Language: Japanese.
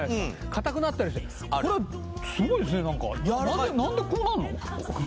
かたくなったりしてこれすごいですね何か何でこうなるの？